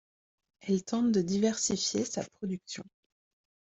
Elle tente de diversifier sa production.